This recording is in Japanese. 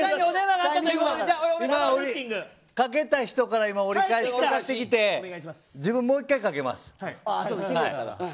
かけた人から折り返してきて自分もう１回かけます。